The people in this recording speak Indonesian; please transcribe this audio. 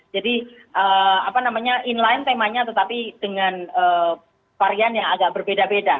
jadi apa namanya inline temanya tetapi dengan varian yang agak berbeda beda